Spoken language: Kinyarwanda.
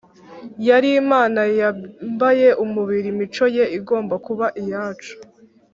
yari imana yambaye umubiri imico ye igomba kuba iyacu